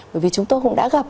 bởi vì chúng tôi cũng đã gặp